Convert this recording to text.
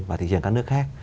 và thị trường các nước khác